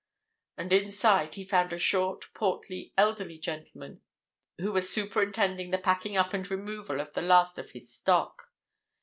And inside he found a short, portly, elderly man who was superintending the packing up and removal of the last of his stock.